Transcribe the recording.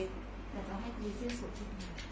ใครจะให้เกิดรอบดีชื่นสุดของเหรอ